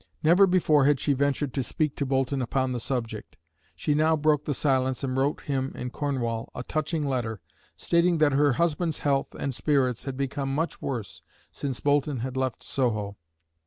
Never before had she ventured to speak to Boulton upon the subject. She now broke the silence and wrote him in Cornwall a touching letter, stating that her husband's health and spirits had become much worse since Boulton had left Soho.